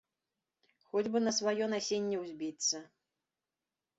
Хоць бы на сваё насенне ўзбіцца.